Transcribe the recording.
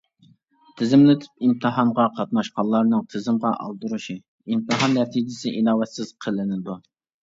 تىزىملىتىپ ئىمتىھانغا قاتناشقانلارنىڭ تىزىمغا ئالدۇرۇشى، ئىمتىھان نەتىجىسى ئىناۋەتسىز قىلىنىدۇ.